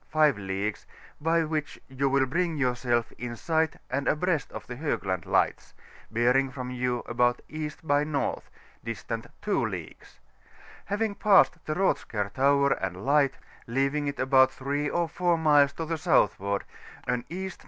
5 leagues, by which you will bring yourself in si^ht and abreast of the Hoo^and Lights, bearing from you about E. by N., distant 2 leagues; having passed the Rothskar Tower and Light, leaving it about 3 or 4 miles to the southward, an E.N.